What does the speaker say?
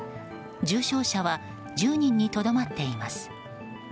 重症者は１０人にとどまっています。